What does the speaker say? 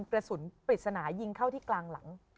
กระสุนปริศนายิงเข้าที่กลางหลัง